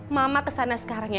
mama kesana sekarang ya